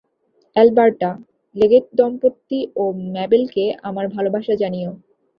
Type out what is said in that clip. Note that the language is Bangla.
এলবার্টা, লেগেট-দম্পতি ও ম্যাবেলকে আমার ভালবাসা জানিও।